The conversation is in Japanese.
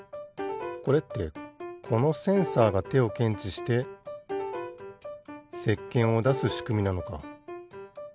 これってこのセンサーがてをけんちしてせっけんをだすしくみなのか。